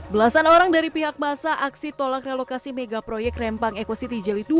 belasan orang dari pihak masa aksi tolak relokasi megaproyek rempang eko city jeli dua